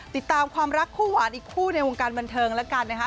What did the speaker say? ติดตามความรักคู่หวานอีกคู่ในวงการบันเทิงแล้วกันนะคะ